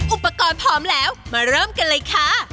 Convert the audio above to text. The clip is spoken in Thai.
อุปกรณ์พร้อมแล้วมาเริ่มกันเลยค่ะ